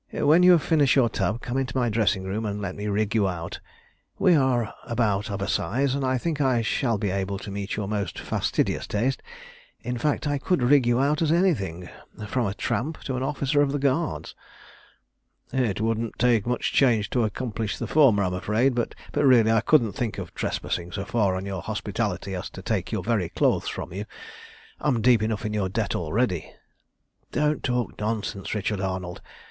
When you have finished your tub, come into my dressing room, and let me rig you out. We are about of a size, and I think I shall be able to meet your most fastidious taste. In fact, I could rig you out as anything from a tramp to an officer of the Guards." "It wouldn't take much change to accomplish the former, I'm afraid. But, really, I couldn't think of trespassing so far on your hospitality as to take your very clothes from you. I'm deep enough in your debt already." "Don't talk nonsense, Richard Arnold.